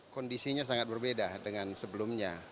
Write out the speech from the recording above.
kondisinya sangat berbeda dengan sebelumnya